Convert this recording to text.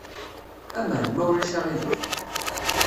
Aman, ma ulac aɣilif.